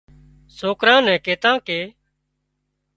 سوڪران نين ڪيتان ڪي